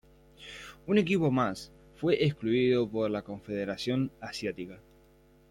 Un equipo más, fue excluido por la Confederación Asiática.